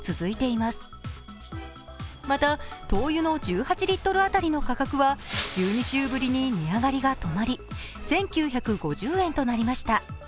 また灯油の１８リットル当たりの価格は１２週ぶりに値上がりが止まり、１９５０円となりました。